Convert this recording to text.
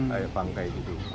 kayak bangke gitu